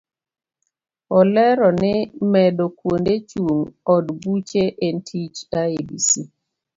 Olero ni medo kuonde chung' od buche en tich iebc.